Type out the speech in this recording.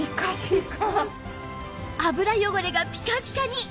油汚れがピカピカに！